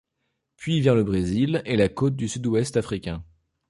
Puis vers le Brésil et la côte du sud-ouest africain.